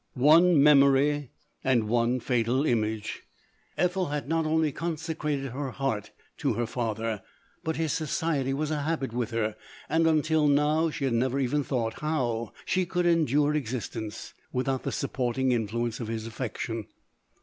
One memory, and one fatal image. Ethel had LODORE. 27'i not only consecrated her heart to her father, but his society was a habit with her, and, until now, she had never even thought how she could en dure existence without the supporting influence of his affection.